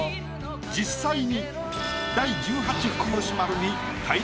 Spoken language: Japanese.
実際に。